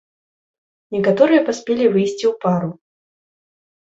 Некаторыя паспелі выйсці ў пару.